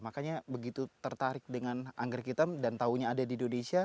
makanya begitu tertarik dengan anggrek hitam dan tahunya ada di indonesia